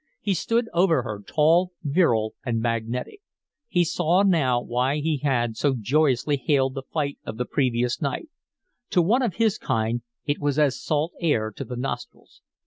He stood over her, tall, virile, and magnetic. She saw now why he had so joyously hailed the fight of the previous night; to one of his kind it was as salt air to the nostrils.